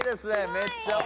めっちゃ鬼！